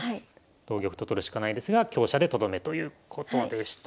同玉と取るしかないですが香車でとどめということでした。